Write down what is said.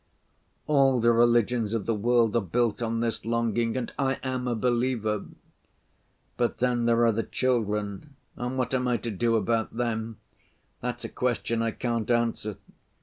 All the religions of the world are built on this longing, and I am a believer. But then there are the children, and what am I to do about them? That's a question I can't answer.